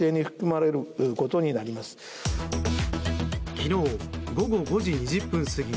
昨日、午後５時２０分過ぎ